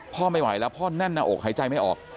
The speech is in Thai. พ่อไม่ไหวแล้วพ่อแน่นหน้าอกหายใจไม่ออก